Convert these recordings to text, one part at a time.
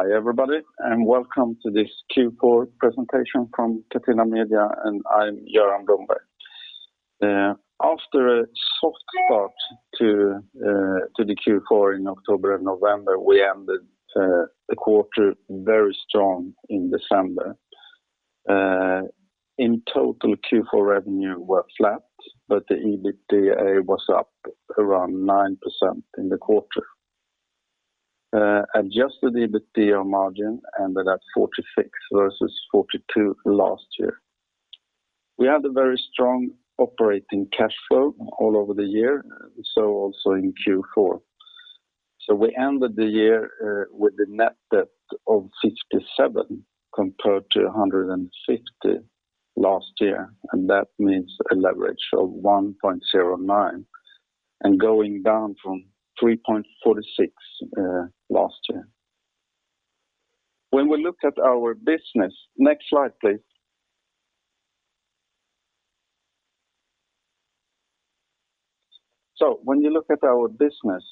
Hi, everybody, and welcome to this Q4 presentation from Catena Media. I'm Göran Blomberg. After a soft start to the Q4 in October and November, we ended the quarter very strong in December. In total, Q4 revenue was flat, the EBITDA was up around 9% in the quarter. Adjusted EBITDA margin ended at 46% versus 42% last year. We had a very strong operating cash flow all over the year, also in Q4. We ended the year with a net debt of 57 million, compared to 150 million last year, and that means a leverage of 1.09, and going down from 3.46 last year. Next slide, please. When you look at our business,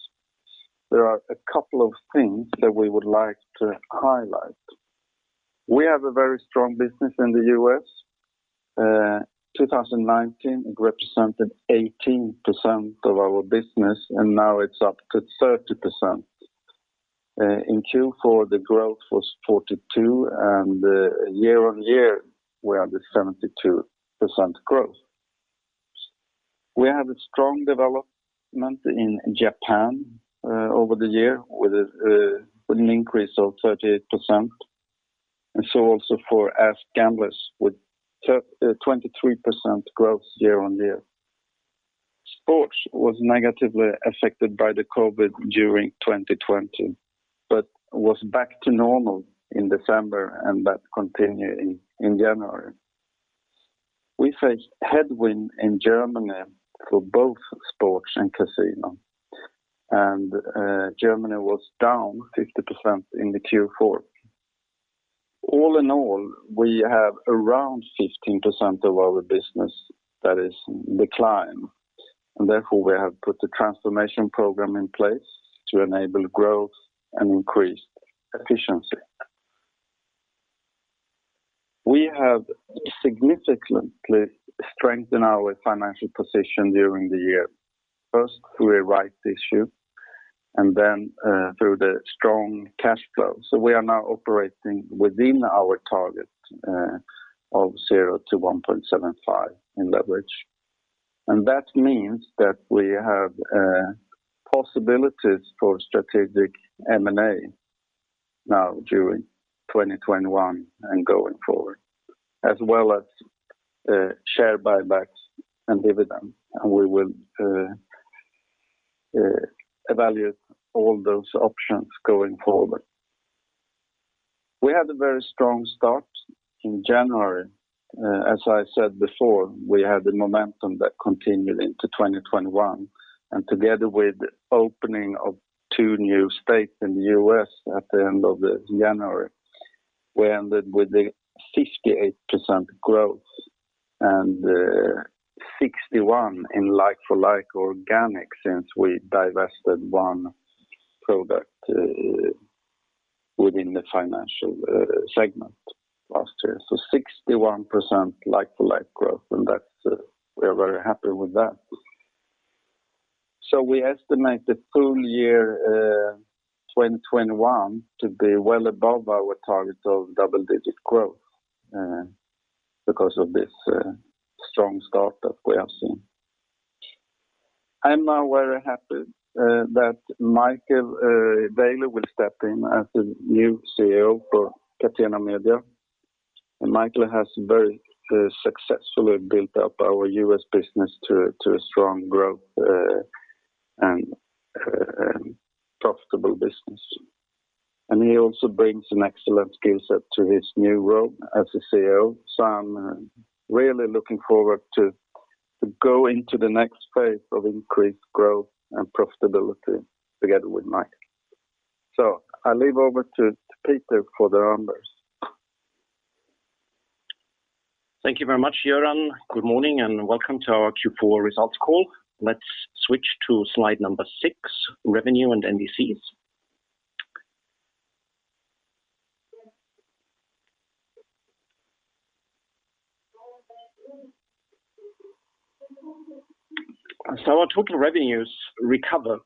there are a couple of things that we would like to highlight. We have a very strong business in the U.S. 2019, it represented 18% of our business. Now it's up to 30%. In Q4, the growth was 42%. Year-on-year, we are at 72% growth. We had a strong development in Japan over the year with an increase of 38%. So also for AskGamblers with 23% growth year-on-year. Sports was negatively affected by the COVID during 2020. Was back to normal in December and that continued in January. We faced headwind in Germany for both sports and casino. Germany was down 50% in the Q4. All in all, we have around 15% of our business that is in decline. Therefore, we have put the transformation program in place to enable growth and increase efficiency. We have significantly strengthened our financial position during the year. First through a rights issue. Then through the strong cash flow. We are now operating within our target of 0-1.75 in leverage. That means that we have possibilities for strategic M&A now during 2021 and going forward, as well as share buybacks and dividend. We will evaluate all those options going forward. We had a very strong start in January. As I said before, we had the momentum that continued into 2021. Together with opening of two new states in the U.S. at the end of January, we ended with a 58% growth and 61% in like-for-like organic, since we divested one product within the financial segment last year. 61% like-for-like growth, and we are very happy with that. We estimate the full year 2021 to be well above our target of double-digit growth because of this strong start that we have seen. I'm now very happy that Michael Daly will step in as the new CEO for Catena Media. Michael has very successfully built up our U.S. business to a strong growth and profitable business. He also brings an excellent skill set to his new role as the CEO. I'm really looking forward to go into the next phase of increased growth and profitability together with Mike. I leave over to Peter for the numbers. Thank you very much, Göran. Good morning and welcome to our Q4 results call. Let's switch to slide number six, Revenue and NDCs. Our total revenues recovered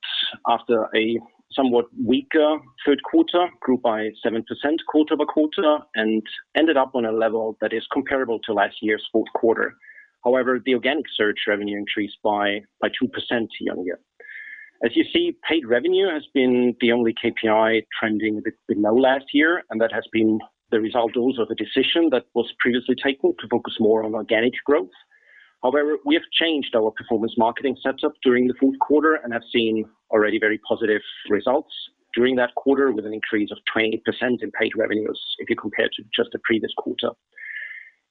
after a somewhat weaker third quarter, grew by 7% quarter-over-quarter, and ended up on a level that is comparable to last year's fourth quarter. However, the organic search revenue increased by 2% year-on-year. As you see, paid revenue has been the only KPI trending below last year, and that has been the result also of a decision that was previously taken to focus more on organic growth. However, we have changed our performance marketing setup during the fourth quarter and have seen already very positive results during that quarter with an increase of 20% in paid revenues if you compare to just the previous quarter.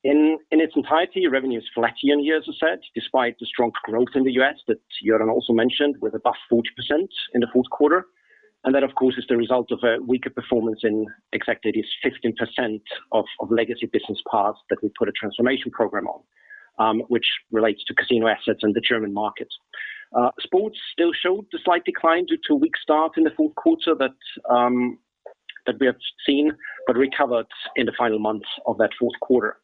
In its entirety, revenue is flat year-on-year, as I said, despite the strong growth in the U.S. that Göran also mentioned, with above 40% in the fourth quarter. That, of course, is the result of a weaker performance in exactly this 15% of legacy business parts that we put a transformation program on. Which relates to casino assets and the German markets. Sports still showed a slight decline due to a weak start in the fourth quarter that we have seen, but recovered in the final months of that fourth quarter.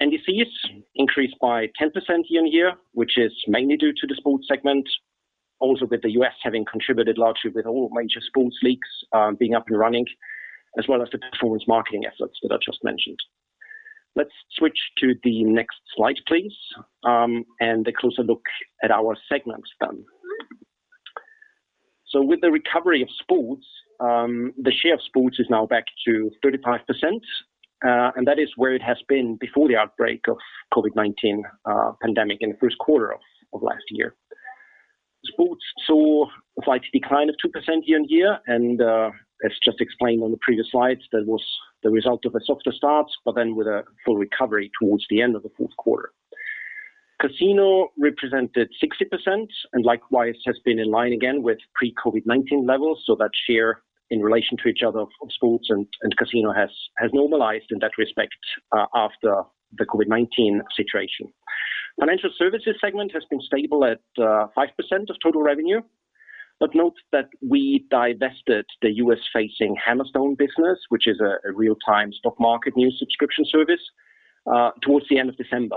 You see it's increased by 10% year-on-year, which is mainly due to the Sports segment. Also with the U.S. having contributed largely with all major sports leagues being up and running, as well as the performance marketing efforts that I just mentioned. Let's switch to the next slide, please, and a closer look at our segments then. With the recovery of sports, the share of sports is now back to 35%, and that is where it has been before the outbreak of COVID-19 pandemic in the first quarter of last year. Sports saw a slight decline of 2% year-on-year, as just explained on the previous slides, that was the result of a softer start, with a full recovery towards the end of the fourth quarter. Casino represented 60% likewise has been in line again with pre-COVID-19 levels. That share in relation to each other of sports and casino has normalized in that respect, after the COVID-19 situation. Financial services segment has been stable at 5% of total revenue. Note that we divested the U.S.-facing Hammerstone business, which is a real-time stock market news subscription service, towards the end of December.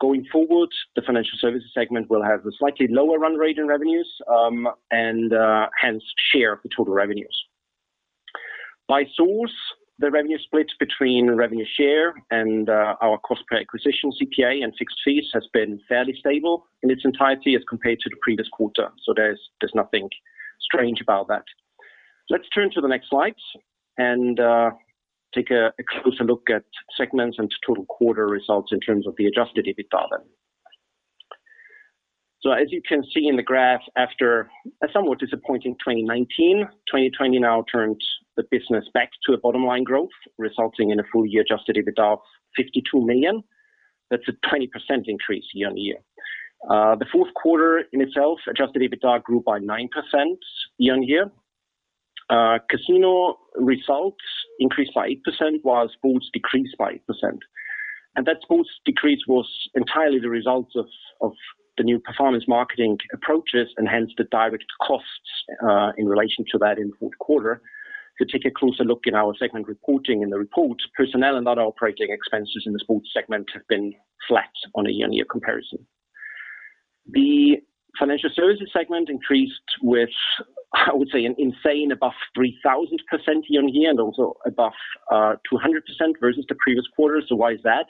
Going forward, the Financial Services segment will have a slightly lower run rate in revenues, and hence share the total revenues. By source, the revenue split between revenue share and our cost per acquisition, CPA, and fixed fees has been fairly stable in its entirety as compared to the previous quarter. There's nothing strange about that. Let's turn to the next slide and take a closer look at segments and total quarter results in terms of the adjusted EBITDA, then. As you can see in the graph, after a somewhat disappointing 2019, 2020 now turns the business back to a bottom line growth, resulting in a full year adjusted EBITDA of 52 million. That's a 20% increase year-on-year. The fourth quarter in itself, adjusted EBITDA grew by 9% year-on-year. Casino results increased by 8%, while sports decreased by 8%. That sports decrease was entirely the result of the new performance marketing approaches, and hence the direct costs in relation to that in the fourth quarter. If you take a closer look in our segment reporting in the report, personnel and other operating expenses in the Sports segment have been flat on a year-on-year comparison. The Financial Services segment increased with, I would say, as seen above 3,000% year-on-year, and also above 200% versus the previous quarter. Why is that?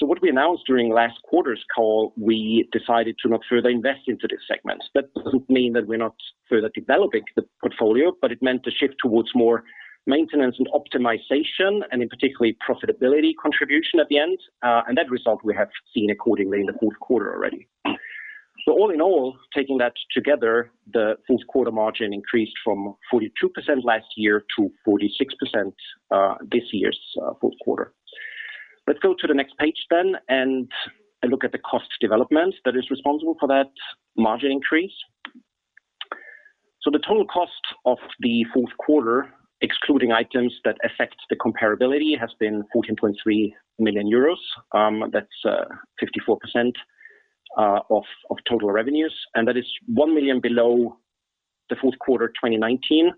What we announced during last quarter's call, we decided to not further invest into this segment. That doesn't mean that we're not further developing the portfolio, but it meant a shift towards more maintenance and optimization, and in particularly profitability contribution at the end. That result we have seen accordingly in the fourth quarter already. All in all, taking that together, the fourth quarter margin increased from 42% last year to 46% this year's fourth quarter. Let's go to the next page then and look at the cost development that is responsible for that margin increase. The total cost of the fourth quarter, excluding items that affect the comparability, has been 14.3 million euros. That's 54% of total revenues, and that is 1 million below the fourth quarter 2019,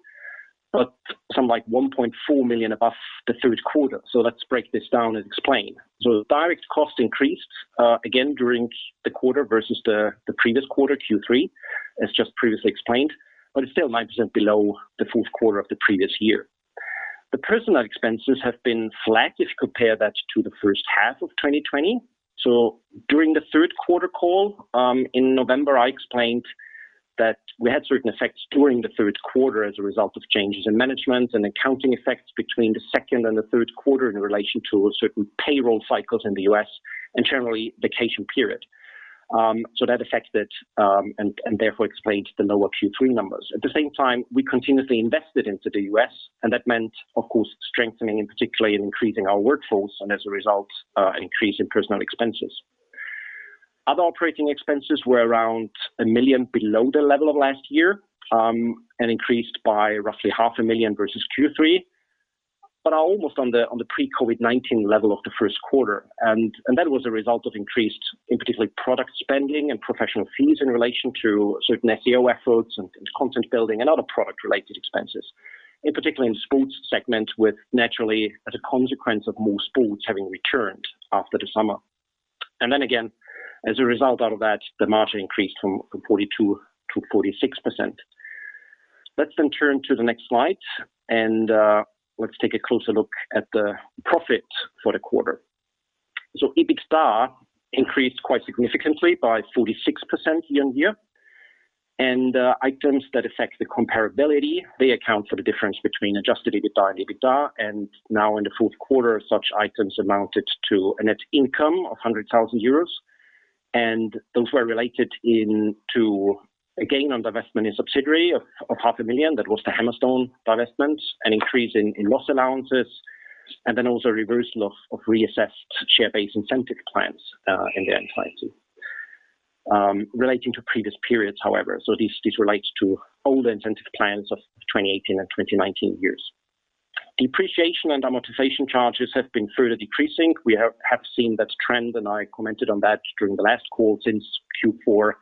but something like 1.4 million above the third quarter. Let's break this down and explain. The direct cost increased again during the quarter versus the previous quarter, Q3, as just previously explained, but it's still 9% below the fourth quarter of the previous year. The personnel expenses have been flat if you compare that to the first half of 2020. During the third quarter call, in November, I explained that we had certain effects during the third quarter as a result of changes in management and accounting effects between the second and the third quarter in relation to certain payroll cycles in the U.S., and generally vacation period. That affects it, and therefore explains the lower Q3 numbers. At the same time, we continuously invested into the U.S., and that meant, of course, strengthening and particularly increasing our workforce, and as a result, an increase in personnel expenses. Other operating expenses were around 1 million below the level of last year, and increased by roughly 500,000 versus Q3, but are almost on the pre-COVID-19 level of the first quarter. That was a result of increased, in particular, product spending and professional fees in relation to certain SEO efforts and content building and other product-related expenses. In particular in the sports segment, with naturally as a consequence of more sports having returned after the summer. Then again, as a result out of that, the margin increased from 42% to 46%. Let's turn to the next slide and let's take a closer look at the profit for the quarter. EBITDA increased quite significantly by 46% year-on-year. Items that affect the comparability, they account for the difference between adjusted EBITDA and EBITDA. Now in the fourth quarter, such items amounted to a net income of 100,000 euros. Those were related into a gain on the investment in subsidiary of 500,000. That was the Hammerstone divestment, an increase in loss allowances, also a reversal of reassessed share-based incentive plans in their entirety relating to previous periods, however. This relates to older incentive plans of 2018 and 2019 years. Depreciation and amortization charges have been further decreasing. We have seen that trend, and I commented on that during the last call since Q4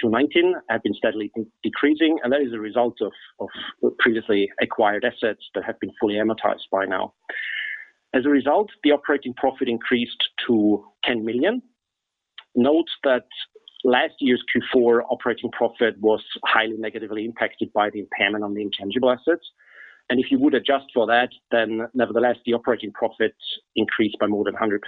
2019, have been steadily decreasing, and that is a result of previously acquired assets that have been fully amortized by now. As a result, the operating profit increased to 10 million. Note that last year's Q4 operating profit was highly negatively impacted by the impairment on the intangible assets, and if you would adjust for that, then nevertheless, the operating profit increased by more than 100%.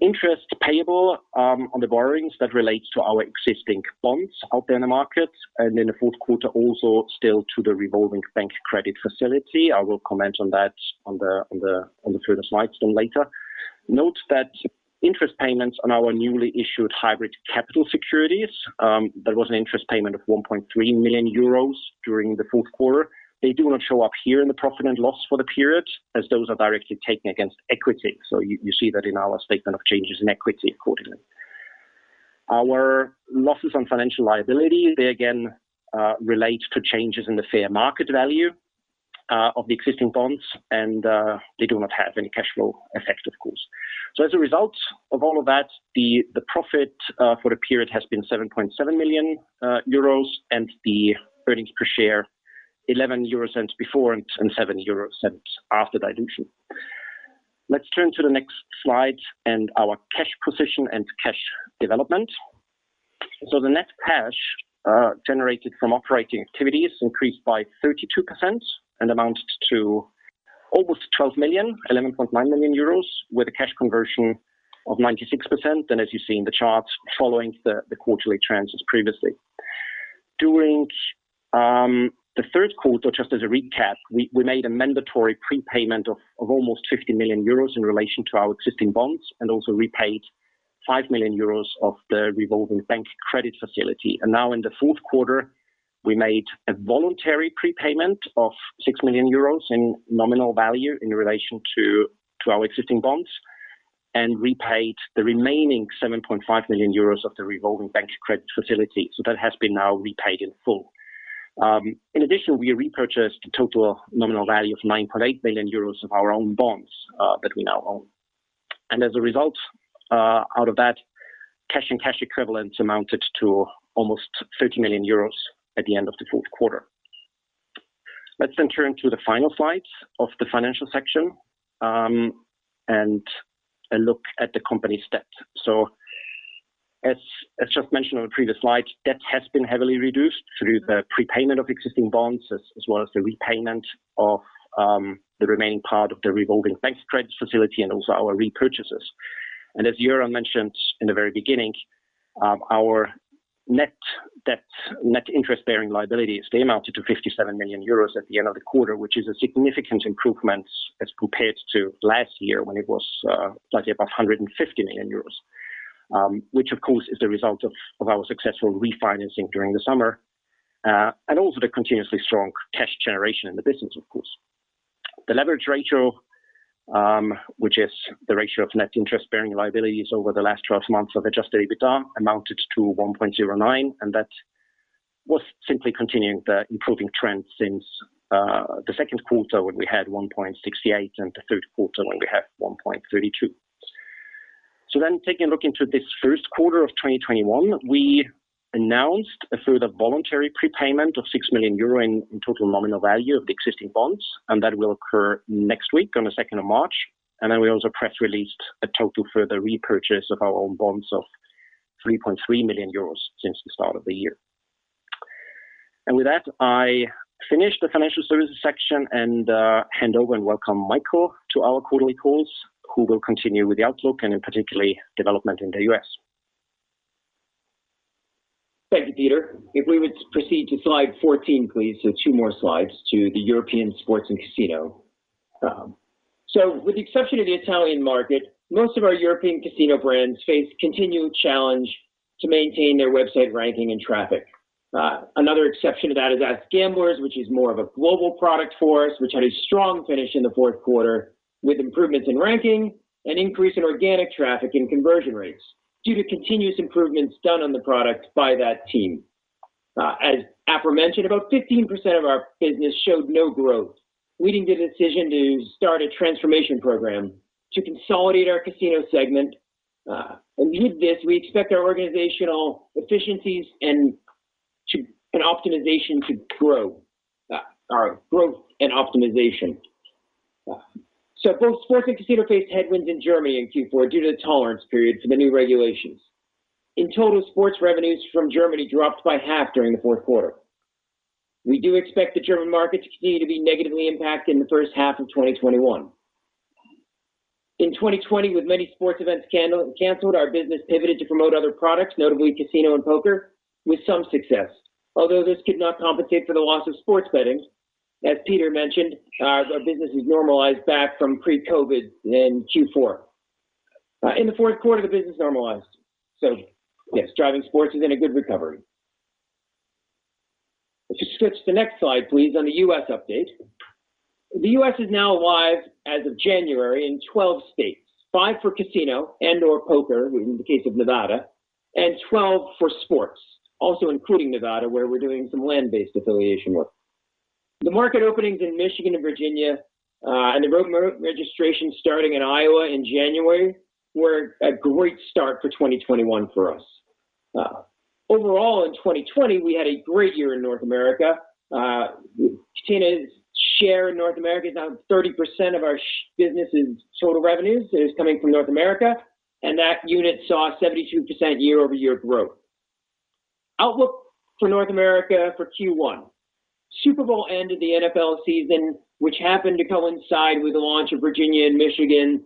Interest payable on the borrowings, that relates to our existing bonds out there in the market, and in the fourth quarter also still to the revolving bank credit facility. I will comment on that on the further slides later. Note that interest payments on our newly issued hybrid capital securities, there was an interest payment of 1.3 million euros during the fourth quarter. They do not show up here in the profit and loss for the period, as those are directly taken against equity. You see that in our statement of changes in equity accordingly. Our losses on financial liability, they again relate to changes in the fair market value of the existing bonds, they do not have any cash flow effect, of course. As a result of all of that, the profit for the period has been 7.7 million euros and the earnings per share 0.11 before and 0.07 after dilution. Let's turn to the next slide and our cash position and cash development. The net cash generated from operating activities increased by 32% and amounted to almost 12 million, 11.9 million euros, with a cash conversion of 96%. As you see in the charts following the quarterly trends as previously. During the third quarter, just as a recap, we made a mandatory prepayment of almost 50 million euros in relation to our existing bonds and also repaid 5 million euros of the revolving bank credit facility. Now in the fourth quarter, we made a voluntary prepayment of 6 million euros in nominal value in relation to our existing bonds and repaid the remaining 7.5 million euros of the revolving bank credit facility. That has been now repaid in full. In addition, we repurchased a total nominal value of 9.8 million euros of our own bonds that we now own. As a result out of that, cash and cash equivalents amounted to almost 30 million euros at the end of the fourth quarter. Turn to the final slide of the financial section, and a look at the company's debt. As just mentioned on the previous slide, debt has been heavily reduced through the prepayment of existing bonds, as well as the repayment of the remaining part of the revolving bank credit facility and also our repurchases. As Göran mentioned in the very beginning, our net debt, net interest-bearing liabilities, they amounted to 57 million euros at the end of the quarter, which is a significant improvement as compared to last year when it was slightly above 150 million euros, which of course is a result of our successful refinancing during the summer, and also the continuously strong cash generation in the business of course. The leverage ratio which is the ratio of net interest-bearing liabilities over the last months of adjusted EBITDA amounted to 1.09. That was simply continuing the improving trend since the second quarter when we had 1.68 and the third quarter when we had 1.32. Taking a look into this first quarter of 2021, we announced a further voluntary prepayment of 6 million euro in total nominal value of the existing bonds. That will occur next week on the 2nd of March. We also press released a total further repurchase of our own bonds of 3.3 million euros since the start of the year. With that, I finish the Financial Services section and hand over and welcome Michael to our quarterly calls, who will continue with the outlook and in particularly development in the U.S. Thank you, Peter. If we would proceed to slide 14, please. Two more slides to the European sports and casino. With the exception of the Italian market, most of our European casino brands face continued challenge to maintain their website ranking and traffic. Another exception to that is AskGamblers, which is more of a global product for us, which had a strong finish in the fourth quarter with improvements in ranking and increase in organic traffic and conversion rates due to continuous improvements done on the product by that team. As aforementioned, about 15% of our business showed no growth, leading the decision to start a transformation program to consolidate our casino segment. With this, we expect our organizational efficiencies and optimization to grow. Sorry, growth and optimization. Both sports and casino faced headwinds in Germany in Q4 due to the tolerance period for the new regulations. In total, sports revenues from Germany dropped by half during the fourth quarter. We do expect the German market to continue to be negatively impacted in the first half of 2021. In 2020, with many sports events canceled, our business pivoted to promote other products, notably casino and poker, with some success. Although this could not compensate for the loss of sports betting, as Peter mentioned, our business is normalized back from pre-COVID in Q4. In the fourth quarter, the business normalized. Yes, driving sports is in a good recovery. Switch to the next slide, please, on the U.S. update. The U.S. is now live as of January in 12 states, five for casino and/or poker, in the case of Nevada, and 12 for sports, also including Nevada, where we're doing some land-based affiliation work. The market openings in Michigan and Virginia, and the remote registration starting in Iowa in January, were a great start for 2021 for us. Overall, in 2020, we had a great year in North America. Catena's share in North America is now 30% of our business' total revenues is coming from North America, and that unit saw 72% year-over-year growth. Outlook for North America for Q1. Super Bowl ended the NFL season, which happened to coincide with the launch of Virginia and Michigan.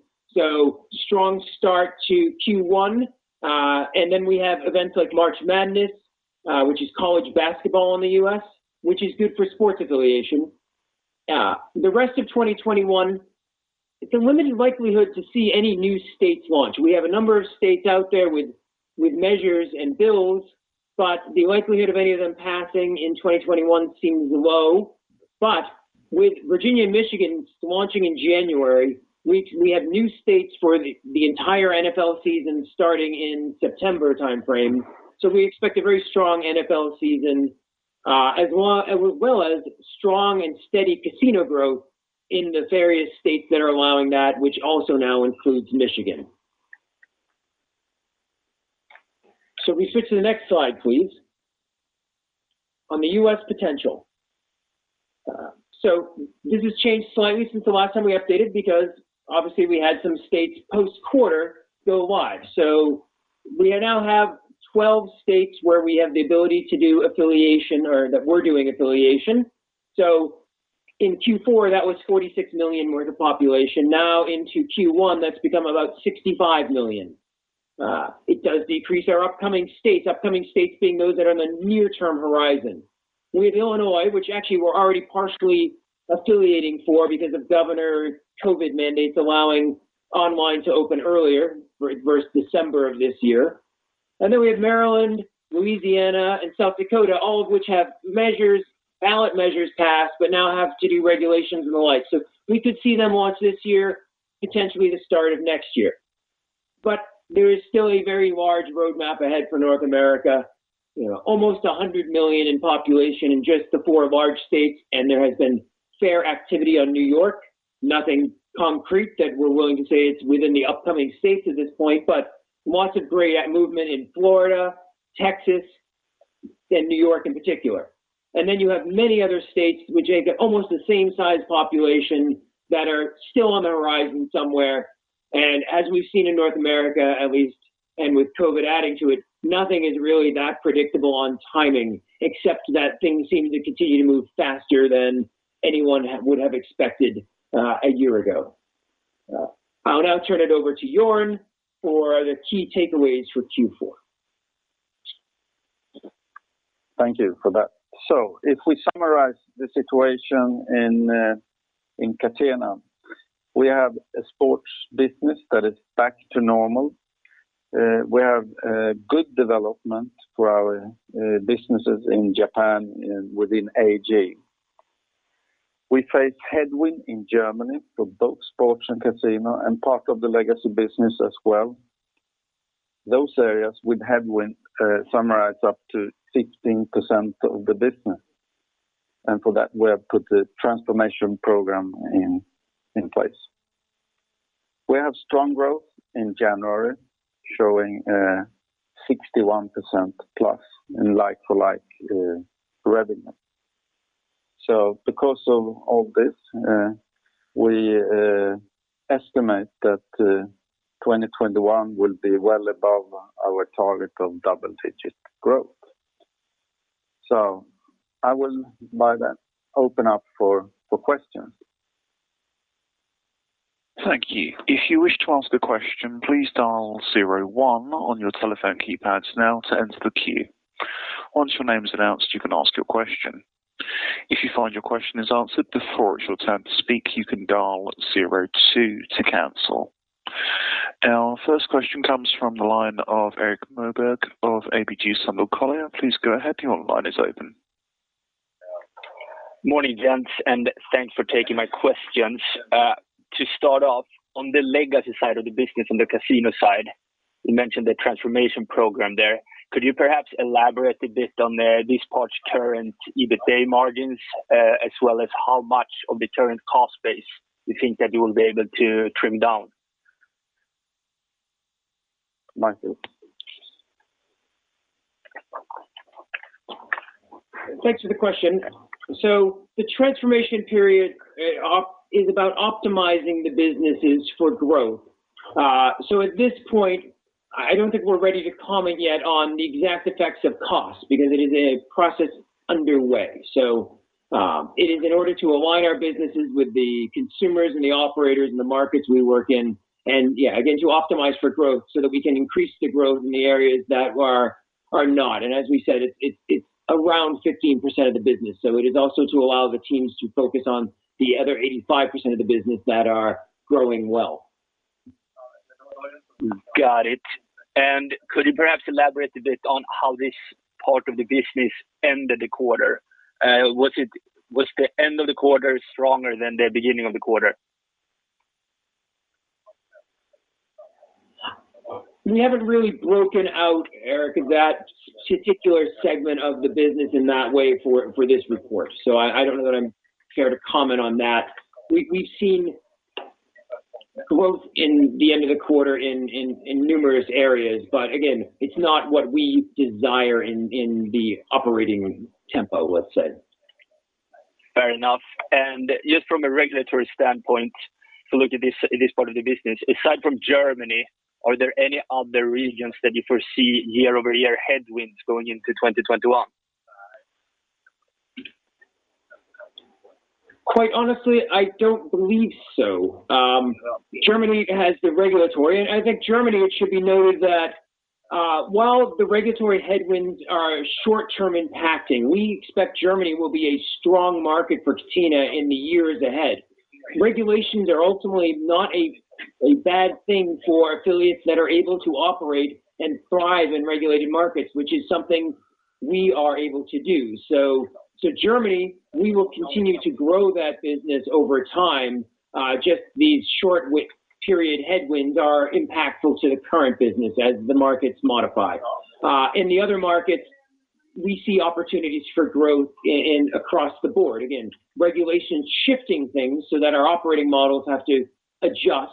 Strong start to Q1. We have events like March Madness, which is college basketball in the U.S., which is good for sports affiliation. The rest of 2021, it's a limited likelihood to see any new states launch. We have a number of states out there with measures and bills, the likelihood of any of them passing in 2021 seems low. With Virginia and Michigan launching in January, we have new states for the entire NFL season starting in September timeframe. We expect a very strong NFL season, as well as strong and steady casino growth in the various states that are allowing that, which also now includes Michigan. We switch to the next slide, please. On the U.S. potential. This has changed slightly since the last time we updated, because obviously we had some states post-quarter go live. We now have 12 states where we have the ability to do affiliation or that we're doing affiliation. In Q4, that was 46 million were the population. Into Q1, that's become about 65 million. It does decrease our upcoming states, upcoming states being those that are in the near-term horizon. We have Illinois, which actually we're already partially affiliating for because of governor COVID mandates allowing online to open earlier versus December of this year. We have Maryland, Louisiana, and South Dakota, all of which have ballot measures passed, but now have to do regulations and the like. We could see them launch this year, potentially the start of next year. There is still a very large roadmap ahead for North America. Almost 100 million in population in just the four large states, there has been fair activity on New York. Nothing concrete that we're willing to say it's within the upcoming states at this point, lots of great movement in Florida, Texas, and New York in particular. Then you have many other states which have almost the same size population that are still on the horizon somewhere. As we've seen in North America at least, and with COVID adding to it, nothing is really that predictable on timing, except that things seem to continue to move faster than anyone would have expected a year ago. I'll now turn it over to Göran for the key takeaways for Q4. Thank you for that. If we summarize the situation in Catena, we have a sports business that is back to normal. We have good development for our businesses in Japan within AG. We face headwind in Germany for both sports and casino and part of the legacy business as well. Those areas with headwind summarize up to 16% of the business. For that, we have put the transformation program in place. We have strong growth in January, showing 61%+ in like-to-like revenue. Because of all this, we estimate that 2021 will be well above our target of double-digit growth. I will by that open up for questions. Thank you. If you wish to ask a question, please dial zero one on your telephone keypads now to enter the queue. Once your name is announced, you can ask your question. If you find your question is answered before it's your turn to speak, you can dial zero two to cancel. Our first question comes from the line of Erik Moberg of ABG Sundal Collier. Please go ahead. Your line is open. Morning, gents. Thanks for taking my questions. To start off, on the legacy side of the business, on the casino side, you mentioned the transformation program there. Could you perhaps elaborate a bit on this part's current EBITDA margins, as well as how much of the current cost base you think that you will be able to trim down? Michael. Thanks for the question. The transformation period is about optimizing the businesses for growth. At this point, I don't think we're ready to comment yet on the exact effects of cost because it is a process underway. It is in order to align our businesses with the consumers and the operators and the markets we work in, again, to optimize for growth so that we can increase the growth in the areas that are not. As we said, it's around 15% of the business. It is also to allow the teams to focus on the other 85% of the business that are growing well. Got it. Could you perhaps elaborate a bit on how this part of the business ended the quarter? Was the end of the quarter stronger than the beginning of the quarter? We haven't really broken out, Erik, that particular segment of the business in that way for this report. I don't know how to comment on that. We've seen growth in the end of the quarter in numerous areas. Again, it's not what we desire in the operating tempo, let's say. Fair enough. Just from a regulatory standpoint, to look at this part of the business, aside from Germany, are there any other regions that you foresee year-over-year headwinds going into 2021? Quite honestly, I don't believe so. Germany has the regulatory. I think Germany, it should be noted that, while the regulatory headwinds are short-term impacting, we expect Germany will be a strong market for Catena in the years ahead. Regulations are ultimately not a bad thing for affiliates that are able to operate and thrive in regulated markets, which is something we are able to do. Germany, we will continue to grow that business over time. Just these short-period headwinds are impactful to the current business as the markets modify. In the other markets, we see opportunities for growth across the board. Again, regulations shifting things so that our operating models have to adjust.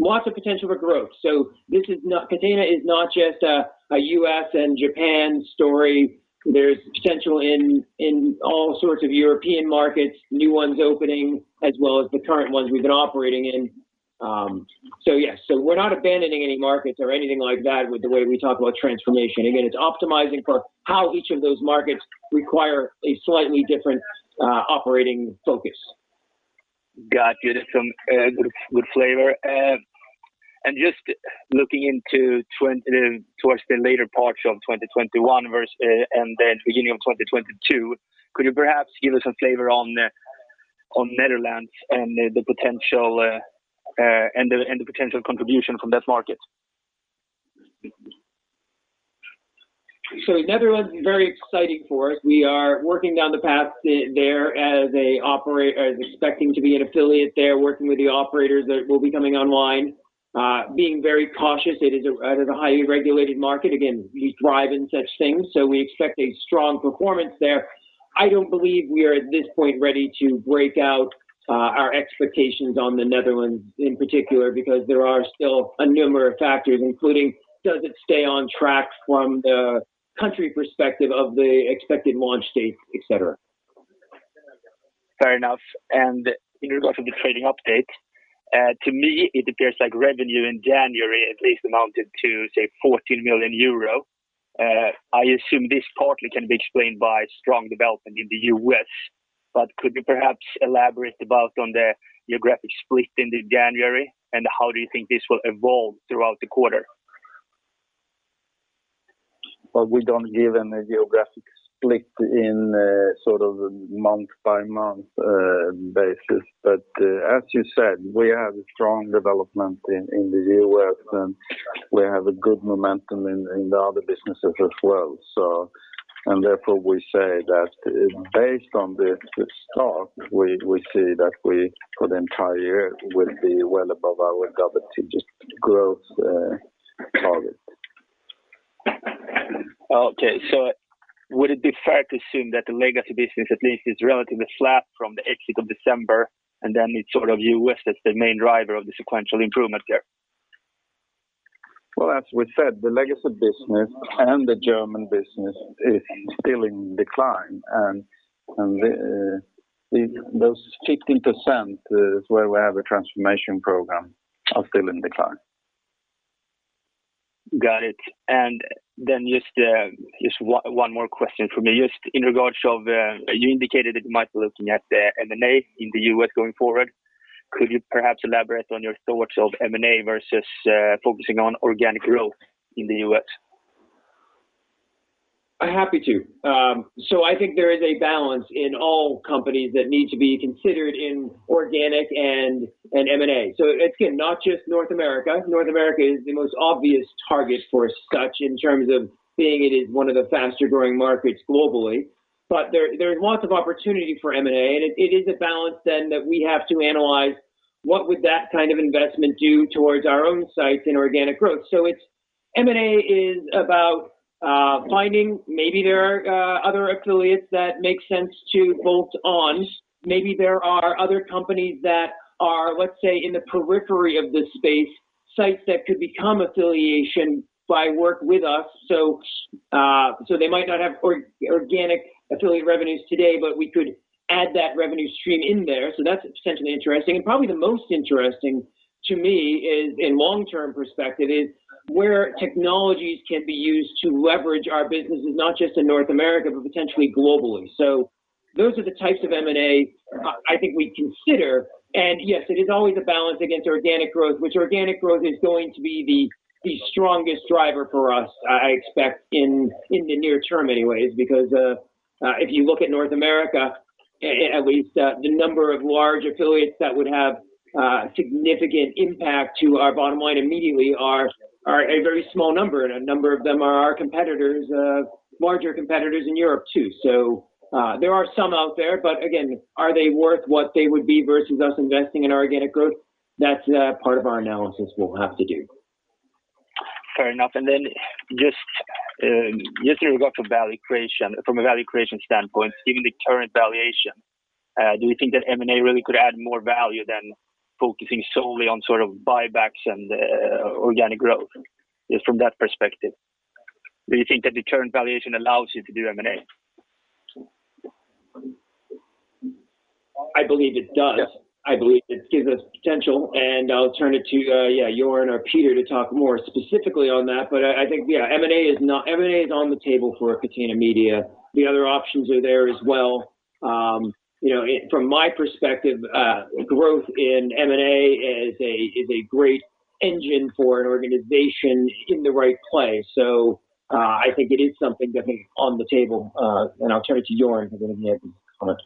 Lots of potential for growth. Catena is not just a U.S. and Japan story. There's potential in all sorts of European markets, new ones opening as well as the current ones we've been operating in. Yes, so we're not abandoning any markets or anything like that with the way we talk about transformation. Again, it's optimizing for how each of those markets require a slightly different operating focus. Got you. That's a good flavor. Just looking towards the later parts of 2021 and the beginning of 2022, could you perhaps give us a flavor on Netherlands and the potential contribution from that market? Netherlands is very exciting for us. We are working down the path there as expecting to be an affiliate there, working with the operators that will be coming online. Being very cautious, it is a highly regulated market. Again, we thrive in such things. We expect a strong performance there. I don't believe we are, at this point, ready to break out our expectations on the Netherlands in particular, because there are still a number of factors, including does it stay on track from the country perspective of the expected launch dates, et cetera. Fair enough. In regards to the trading update, to me it appears like revenue in January at least amounted to, say, 14 million euro. I assume this partly can be explained by strong development in the U.S., but could you perhaps elaborate about on the geographic split in January, and how do you think this will evolve throughout the quarter? Well, we don't give any geographic split in sort of month-by-month basis. As you said, we have a strong development in the U.S. and we have a good momentum in the other businesses as well. Therefore we say that based on the start, we see that we, for the entire year, will be well above our double-digit growth target. Okay. Would it be fair to assume that the legacy business at least is relatively flat from the exit of December, and then it's U.S. as the main driver of the sequential improvement there? Well, as we said, the legacy business and the German business is still in decline, and those 15%, where we have a transformation program, are still in decline. Got it. Just one more question from me. Just in regards of, you indicated that you might be looking at M&A in the U.S. going forward. Could you perhaps elaborate on your thoughts of M&A versus focusing on organic growth in the U.S.? Happy to. I think there is a balance in all companies that need to be considered in organic and M&A. Again, not just North America. North America is the most obvious target for such in terms of being it is one of the faster-growing markets globally. There is lots of opportunity for M&A, and it is a balance then that we have to analyze what would that kind of investment do towards our own sites in organic growth. M&A is about finding maybe there are other affiliates that make sense to bolt on. Maybe there are other companies that are, let's say, in the periphery of this space, sites that could become affiliation by work with us. They might not have organic affiliate revenues today, but we could add that revenue stream in there. That's potentially interesting. Probably the most interesting to me in long-term perspective is where technologies can be used to leverage our businesses, not just in North America, but potentially globally. Those are the types of M&A I think we'd consider. Yes, it is always a balance against organic growth, which organic growth is going to be the strongest driver for us, I expect in the near term anyways because if you look at North America, at least the number of large affiliates that would have significant impact to our bottom line immediately are a very small number, and a number of them are our competitors, larger competitors in Europe too. There are some out there, but again, are they worth what they would be versus us investing in organic growth? That's part of our analysis we'll have to do. Fair enough. Just in regard to value creation, from a value creation standpoint, given the current valuation, do you think that M&A really could add more value than focusing solely on sort of buybacks and organic growth? Just from that perspective, do you think that the current valuation allows you to do M&A? I believe it does. I believe it gives us potential, and I'll turn it to, yeah, Göran or Peter to talk more specifically on that. I think, yeah, M&A is on the table for Catena Media. The other options are there as well. From my perspective, growth in M&A is a great engine for an organization in the right place. I think it is something definitely on the table. I'll turn it to Göran who maybe can add some comment.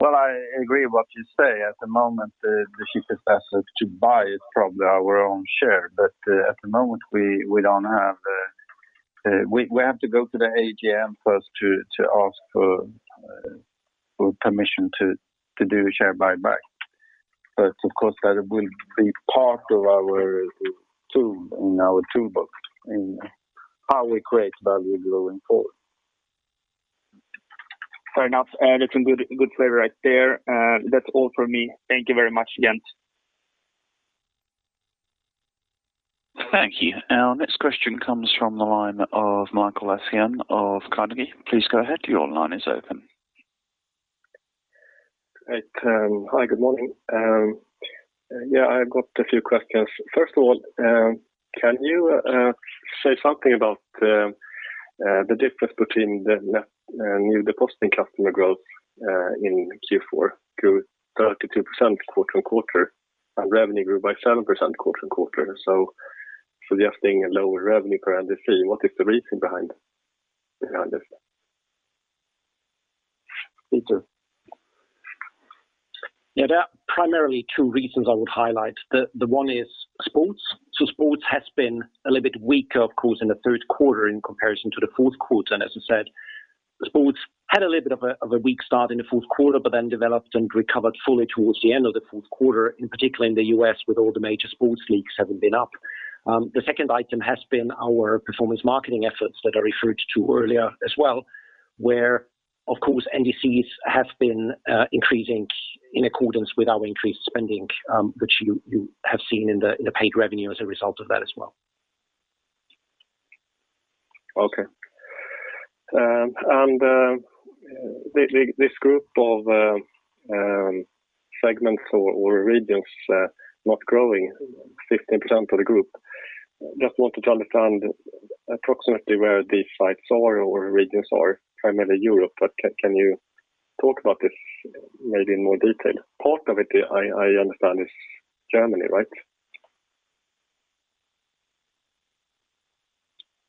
Well, I agree what you say. At the moment, the cheapest asset to buy is probably our own share. At the moment we have to go to the AGM first to ask for permission to do a share buyback. Of course, that will be part of our tool in our toolbox in how we create value going forward. Fair enough. That's some good flavor right there. That's all from me. Thank you very much, gents. Thank you. Our next question comes from the line of Mikael Laséen of Carnegie. Please go ahead. Your line is open. Great. Hi, good morning. Yeah, I've got a few questions. First of all, can you say something about the difference between the net new depositing customer growth in Q4 grew 32% quarter-on-quarter, and revenue grew by 7% quarter-on-quarter, suggesting a lower revenue per NDC. What is the reason behind this? Peter? Yeah, there are primarily two reasons I would highlight. The one is sports. Sports has been a little bit weaker, of course, in the third quarter in comparison to the fourth quarter. As I said, sports had a little bit of a weak start in the fourth quarter, but then developed and recovered fully towards the end of the fourth quarter, in particular in the U.S. with all the major sports leagues having been up. The second item has been our performance marketing efforts that I referred to earlier as well, where, of course, NDCs have been increasing in accordance with our increased spending, which you have seen in the paid revenue as a result of that as well. Okay. This group of segments or regions not growing 15% for the group. Just wanted to understand approximately where these sites are or regions are, primarily Europe, but can you talk about this maybe in more detail? Part of it, I understand, is Germany, right?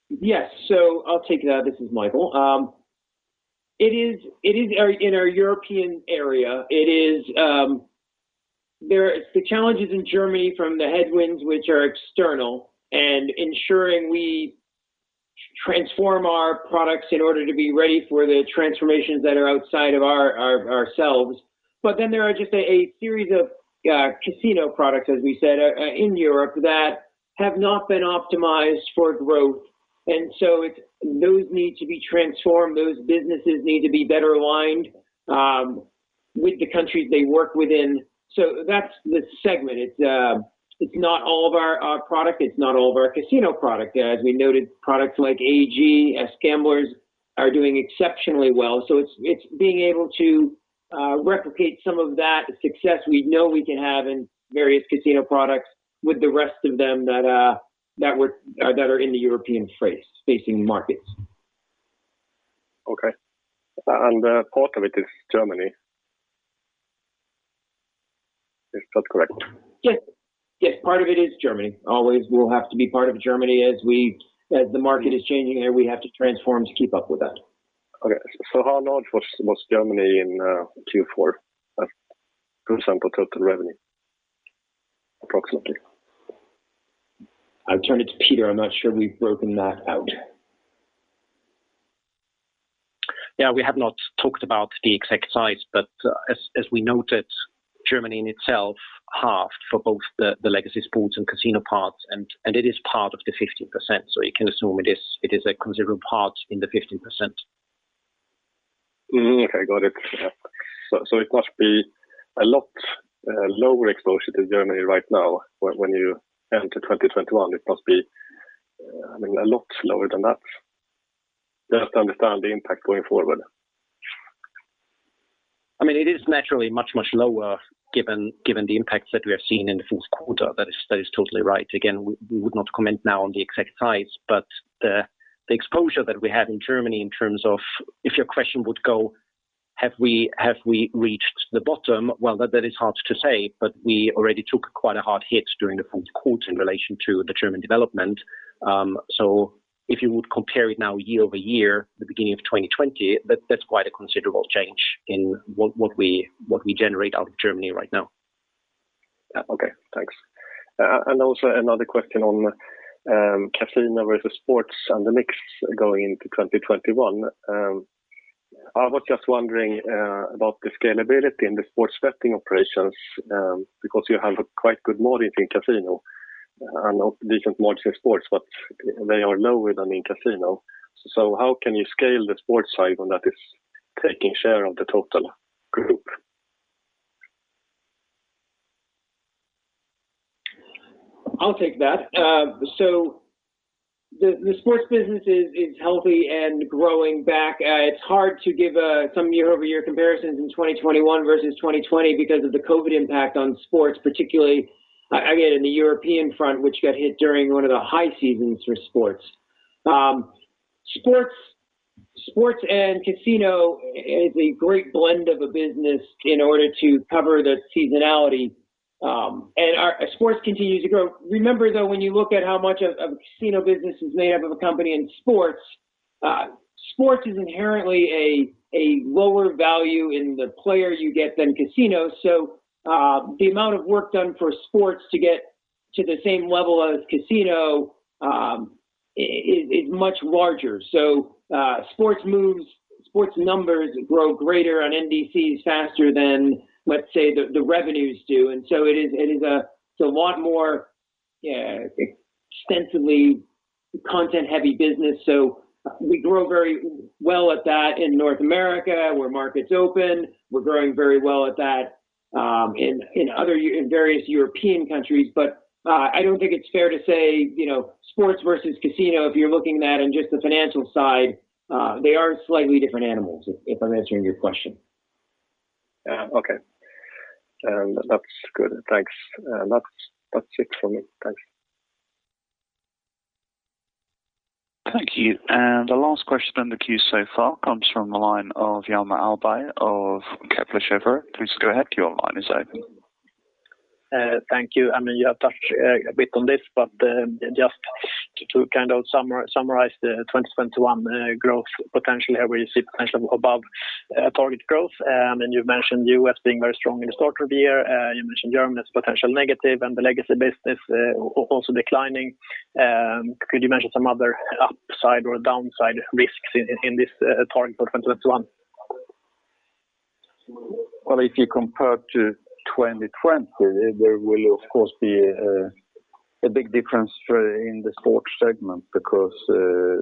Yes. I'll take that. This is Michael. It is in our European area. The challenge is in Germany from the headwinds which are external and ensuring we transform our products in order to be ready for the transformations that are outside of ourselves. There are just a series of casino products, as we said, in Europe that have not been optimized for growth, those need to be transformed. Those businesses need to be better aligned with the countries they work within. That's the segment. It's not all of our product. It's not all of our casino product. As we noted, products like AskGamblers are doing exceptionally well. It's being able to replicate some of that success we know we can have in various casino products with the rest of them that are in the European-facing markets. Okay. Part of it is Germany. Is that correct? Yes. Part of it is Germany. Always will have to be part of Germany as the market is changing there, we have to transform to keep up with that. Okay. How large was Germany in Q4 as percent of total revenue approximately? I'll turn it to Peter. I'm not sure we've broken that out. We have not talked about the exact size. As we noted, Germany in itself halved for both the legacy sports and casino parts. It is part of the 15%. You can assume it is a considerable part in the 15%. Okay, got it. Yeah. It must be a lot lower exposure to Germany right now when you enter 2021. It must be a lot lower than that. Just to understand the impact going forward. It is naturally much, much lower given the impacts that we have seen in the fourth quarter. That is totally right. We would not comment now on the exact size, but the exposure that we have in Germany in terms of if your question would go have we reached the bottom? Well, that is hard to say, but we already took quite a hard hit during the fourth quarter in relation to the German development. If you would compare it now year-over-year, the beginning of 2020, that's quite a considerable change in what we generate out of Germany right now. Okay, thanks. Also another question on casino versus sports and the mix going into 2021. I was just wondering about the scalability in the sports betting operations, because you have a quite good margin in casino and a decent margin in sports, but they are lower than in casino. How can you scale the sports side when that is taking share of the total group? I'll take that. The Sports business is healthy and growing back. It's hard to give some year-over-year comparisons in 2021 versus 2020 because of the COVID impact on sports, particularly in the European front, which got hit during one of the high seasons for sports. Sports and casino is a great blend of a business in order to cover the seasonality. Our sports continues to grow. Remember, though, when you look at how much of a casino business is made up of a company in sports is inherently a lower value in the player you get than casino. The amount of work done for sports to get to the same level as casino is much larger. Sports numbers grow greater on NDCs faster than, let's say, the revenues do. It's a lot more extensively content-heavy business. We grow very well at that in North America, where market's open. We're growing very well at that in various European countries. I don't think it's fair to say sports versus casino, if you're looking at that in just the financial side. They are slightly different animals, if I'm answering your question. Okay. That's good. Thanks. That's it from me. Thanks. Thank you. The last question on the queue so far comes from the line of Hjalmar Ahlberg of Kepler Cheuvreux. Please go ahead. Your line is open. Thank you. I mean, you have touched a bit on this, but just to kind of summarize the 2021 growth potentially, where you see potential above target growth, and you've mentioned U.S. being very strong in the start of the year. You mentioned Germany as potential negative and the legacy business also declining. Could you mention some other upside or downside risks in this target for 2021? Well, if you compare to 2020, there will, of course, be a big difference in the sports segment because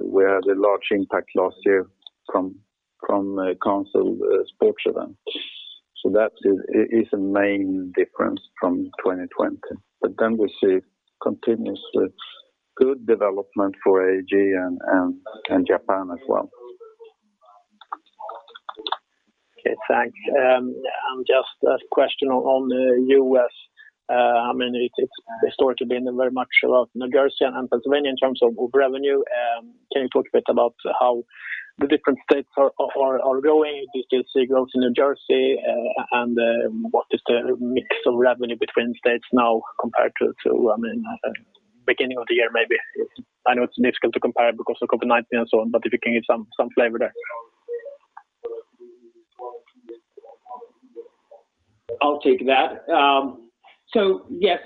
we had a large impact last year from canceled sports events. That is a main difference from 2020. We see continuous good development for AG and Japan as well. Okay, thanks. Just a question on the U.S. I mean, it's historically been very much about New Jersey and Pennsylvania in terms of revenue. Can you talk a bit about how the different states are going? Do you still see growth in New Jersey? What is the mix of revenue between states now compared to, I mean, beginning of the year, maybe? I know it's difficult to compare because of COVID-19 and so on, but if you can give some flavor there. I'll take that. Yes,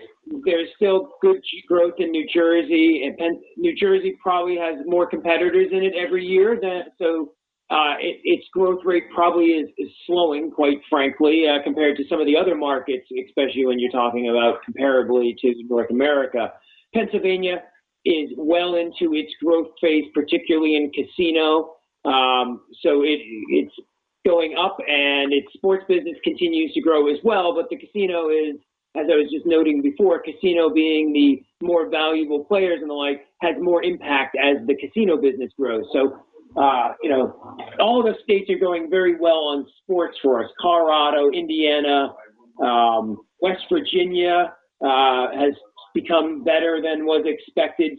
there's still good growth in New Jersey, and New Jersey probably has more competitors in it every year. Its growth rate probably is slowing, quite frankly, compared to some of the other markets, especially when you're talking about comparably to North America. Pennsylvania is well into its growth phase, particularly in casino. It's going up, and its sports business continues to grow as well. The casino is, as I was just noting before, casino being the more valuable players and the like, has more impact as the casino business grows. All of the states are going very well on sports for us. Colorado, Indiana, West Virginia has become better than was expected.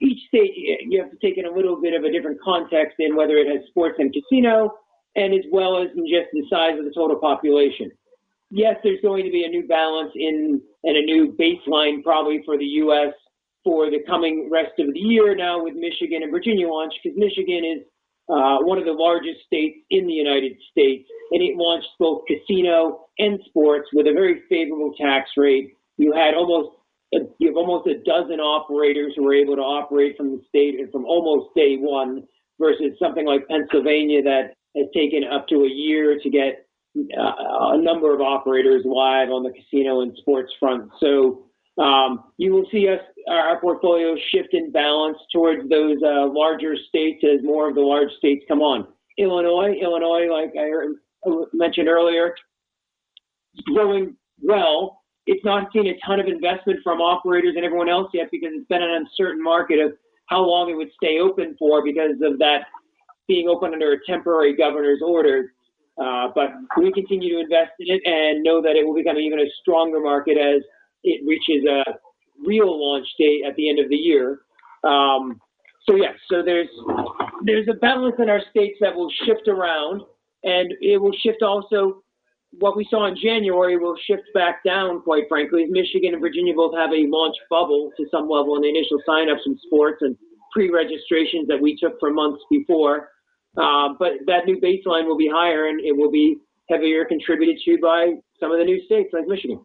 Each state, you have to take in a little bit of a different context in whether it has sports and casino and as well as in just the size of the total population. Yes, there's going to be a new balance and a new baseline probably for the U.S. for the coming rest of the year now with Michigan and Virginia launch, because Michigan is one of the largest states in the United States, and it launched both casino and sports with a very favorable tax rate. You have almost 12 operators who were able to operate from the state and from almost day one, versus something like Pennsylvania that has taken up to a year to get a number of operators live on the casino and sports front. You will see our portfolio shift in balance towards those larger states as more of the large states come on. Illinois, like I mentioned earlier, is growing well. It's not seen a ton of investment from operators and everyone else yet because it's been an uncertain market of how long it would stay open for because of that being open under a temporary governor's order. We continue to invest in it and know that it will become even a stronger market as it reaches a real launch date at the end of the year. Yes. There's a balance in our states that will shift around, and it will shift also. What we saw in January will shift back down, quite frankly. Michigan and Virginia both have a launch bubble to some level in the initial sign-ups in sports and pre-registrations that we took for months before. That new baseline will be higher, and it will be heavier contributed to by some of the new states like Michigan.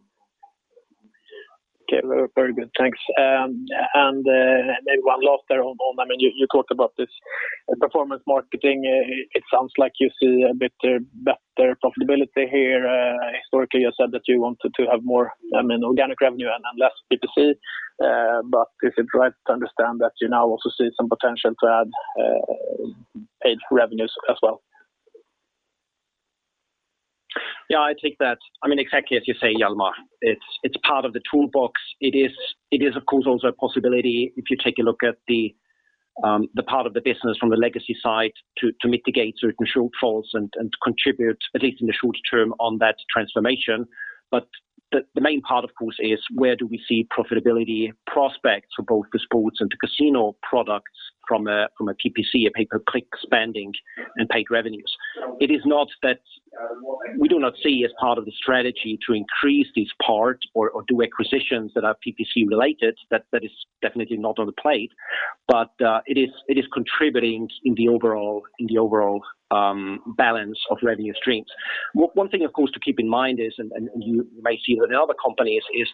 Okay. Very good. Thanks. One last there on, you talked about this performance marketing. It sounds like you see a better profitability here. Historically, you said that you wanted to have more organic revenue and less PPC. Is it right to understand that you now also see some potential to add paid revenues as well? Yeah, I take that. Exactly as you say, Hjalmar. It's part of the toolbox. It is, of course, also a possibility if you take a look at the part of the business from the legacy side to mitigate certain shortfalls and to contribute, at least in the short term, on that transformation. The main part, of course, is where do we see profitability prospects for both the sports and the casino products from a PPC, a pay-per-click spending and paid revenues. It is not that we do not see as part of the strategy to increase this part or do acquisitions that are PPC related. That is definitely not on the plate. It is contributing in the overall balance of revenue streams. One thing, of course, to keep in mind is, and you may see that in other companies, is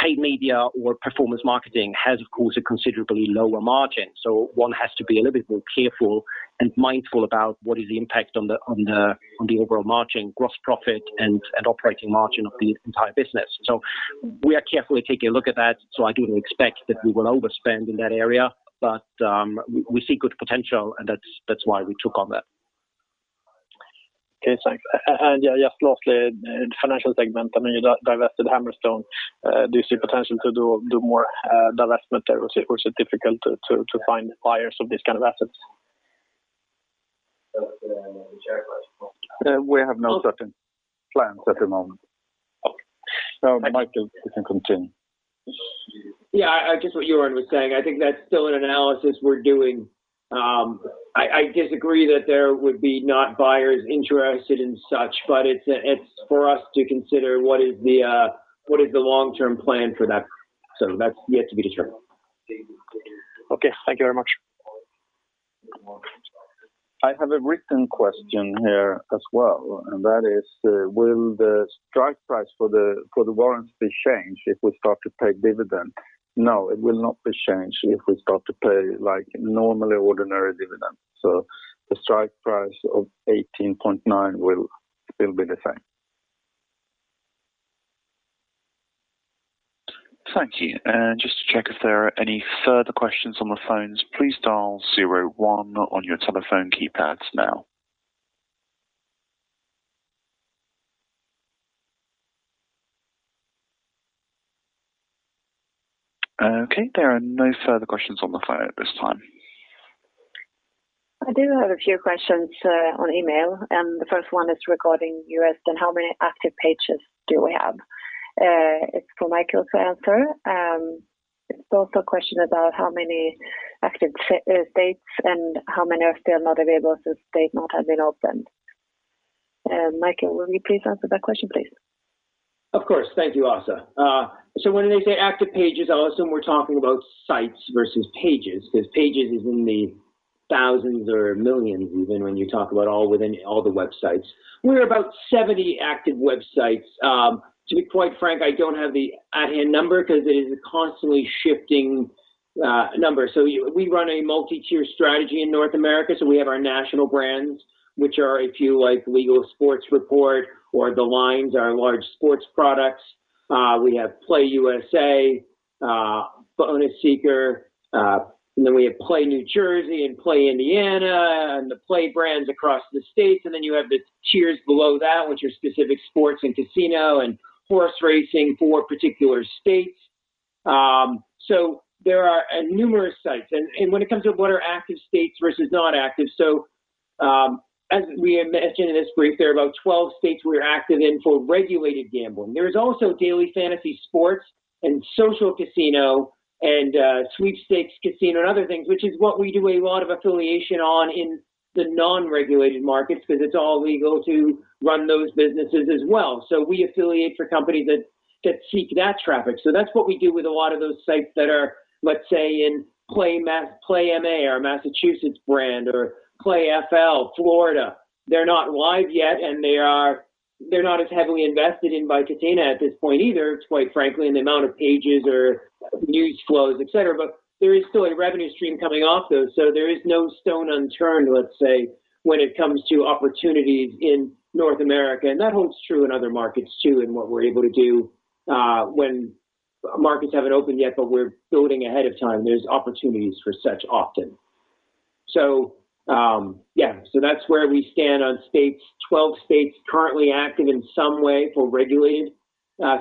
paid media or performance marketing has, of course, a considerably lower margin. One has to be a little bit more careful and mindful about what is the impact on the overall margin, gross profit and operating margin of the entire business. We are carefully taking a look at that. I do not expect that we will overspend in that area. We see good potential, and that's why we took on that. Okay, thanks. Yeah, just lastly, in the financial segment, you divested Hammerstone. Do you see potential to do more divestment there, or is it difficult to find buyers of these kind of assets? We have no certain plans at the moment. Okay. Michael, you can continue. Yeah, I guess what Göran was saying, I think that's still an analysis we're doing. I disagree that there would be not buyers interested in such, but it's for us to consider what is the long-term plan for that. That's yet to be determined. Okay. Thank you very much. I have a written question here as well, that is, will the strike price for the warrants be changed if we start to pay dividend? No, it will not be changed if we start to pay like normal ordinary dividend. The strike price of 18.9 will be the same. Thank you. Just to check if there are any further questions on the phones, please dial zero one on your telephone keypads now. Okay, there are no further questions on the phone at this time. I do have a few questions on email. The first one is regarding U.S. and how many active pages do we have? It's for Michael to answer. There's also a question about how many active states and how many are still not available since states not have been opened. Michael, will you please answer that question, please? Of course. Thank you, Åsa. When they say active pages, I'll assume we're talking about sites versus pages, because pages is in the thousands or millions even when you talk about all within all the websites. We're about 70 active websites. To be quite frank, I don't have the at-hand number because it is a constantly shifting number. We run a multi-tier strategy in North America. We have our national brands, which are a few like Legal Sports Report or TheLines, our large sports products. We have PlayUSA, BonusSeeker, we have PlayNJ and PlayIndiana and the Play brands across the States. You have the tiers below that, which are specific sports and casino and horse racing for particular states. There are numerous sites. When it comes to what are active states versus not active, as we mentioned in this brief, there are about 12 states we are active in for regulated gambling. There is also daily fantasy sports and social casino and sweepstakes casino and other things, which is what we do a lot of affiliation on in the non-regulated markets because it's all legal to run those businesses as well. We affiliate for companies that seek that traffic. That's what we do with a lot of those sites that are, let's say in PlayMA, our Massachusetts brand, or PlayFL, Florida. They're not live yet, and they're not as heavily invested in by Catena at this point either, quite frankly, in the amount of pages or news flows, et cetera. There is still a revenue stream coming off those. There is no stone unturned, let's say, when it comes to opportunities in North America. That holds true in other markets too, in what we're able to do when markets haven't opened yet, but we're building ahead of time. There's opportunities for such often. Yeah. That's where we stand on states. 12 states currently active in some way for regulated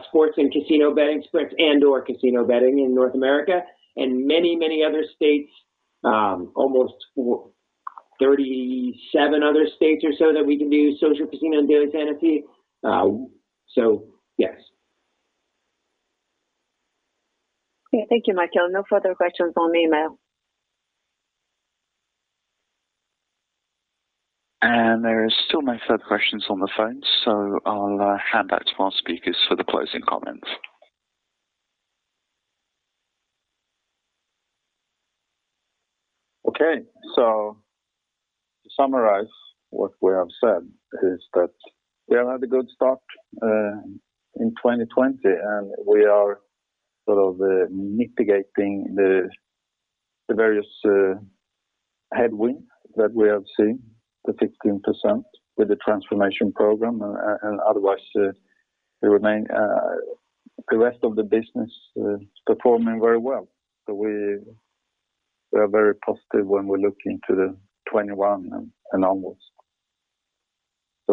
sports and casino betting [spreads] and/or casino betting in North America, and many other states, almost 37 other states or so that we can do social casino and daily fantasy. Yes. Okay. Thank you, Michael. No further questions on email. There is still no further questions on the phone, so I'll hand back to our speakers for the closing comments. Okay. To summarize what we have said is that we have had a good start in 2020, and we are sort of mitigating the various headwinds that we have seen, the 15% with the transformation program, and otherwise, the rest of the business is performing very well. We are very positive when we look into the 2021 and onwards.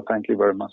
Thank you very much.